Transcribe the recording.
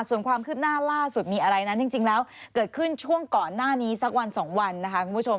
ส่วนความคืบหน้าล่าสุดมีอะไรนั้นจริงแล้วเกิดขึ้นช่วงก่อนหน้านี้สักวันสองวันนะคะคุณผู้ชม